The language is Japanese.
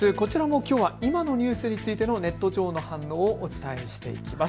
きょうもこちらは今のニュースについてのネット上の反応をお伝えしていきます。